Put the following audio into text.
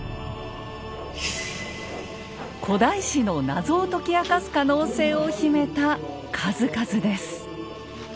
古代史の謎を解き明かす可能性を秘めた数々です。